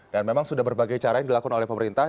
dan memang sudah berbagai caranya dilakukan oleh pemerintah